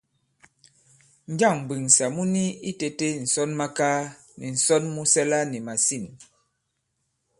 Njâŋ m̀mbwèŋsà mu ni itētē ǹsɔnmakaa nì ǹsɔn mu sɛla nì màsîn?